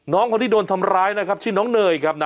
คนที่โดนทำร้ายนะครับชื่อน้องเนยครับนะ